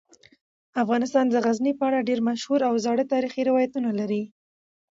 افغانستان د غزني په اړه ډیر مشهور او زاړه تاریخی روایتونه لري.